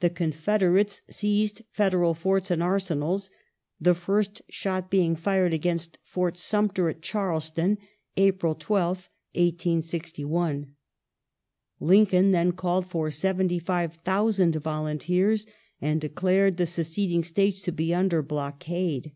The Confederates seized Federal forts and ai senals, the first shot being fired against Fort Sumter at Charleston (April 12th, 1861). Lincoln then called for 75,000 volunteers and declared the seceding States to he under blockade.